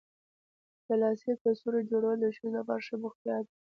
د لاسي کڅوړو جوړول د ښځو لپاره ښه بوختیا ده.